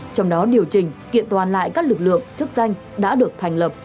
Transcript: trong đó điều chỉnh kiện toàn lại các lực lượng chức danh đã được thành lập